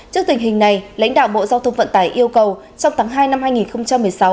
trước tình hình này lãnh đạo bộ giao thông vận tải yêu cầu trong tháng hai năm hai nghìn một mươi sáu